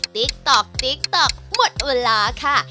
ติ๊กต๊อกหมดเวลาค่ะ